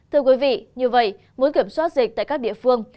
thưa quý vị như vậy muốn kiểm soát dịch tại các địa phương